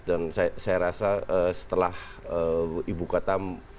dan saya rasa setelah ibu kota menjelaskan